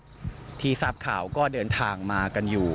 ตรงนี้นะครับทีทราบข่าวก็เดินทางมากันอยู่